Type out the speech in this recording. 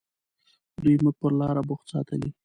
دوی موږ پر لاره بوخت ساتي.